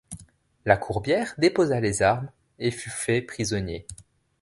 La Courbière déposa les armes et fut fait prisonnier.